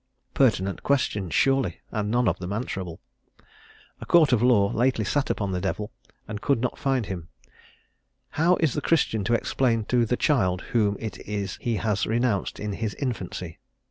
_" Pertinent questions, surely, and none of them answerable. A Court of Law lately sat upon the Devil, and could not find him; "how is the Christian to explain to the child whom it is he has renounced in his infancy?